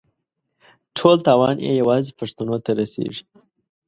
ټول تاوان یې یوازې پښتنو ته رسېږي.